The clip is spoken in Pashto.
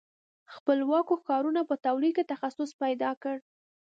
خپلواکو ښارونو په تولید کې تخصص پیدا کړ.